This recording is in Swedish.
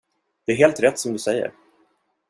Det är helt rätt som du säger.